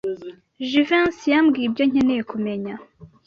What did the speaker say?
Jivency yambwiye ibyo nkeneye kumenya.